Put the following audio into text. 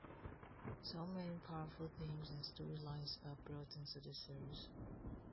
So many powerful themes and storylines are brought into the series.